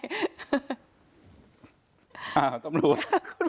อ้าวตำรวจ